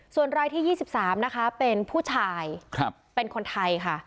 ส่วนรายที่๒๓นะคะเป็นผู้ชายเป็นคนไทยค่ะ